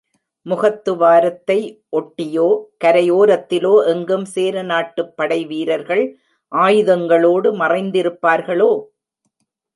முகத்துவாரத்தை ஒட்டியோ, கரை ஓரத்திலோ எங்கும் சேரநாட்டுப் படைவீரர்கள் ஆயுதங்களோடு மறைந்திருப்பார்களோ?